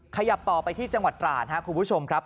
ขยับต่อไปที่จังหวัดตราดครับคุณผู้ชมครับ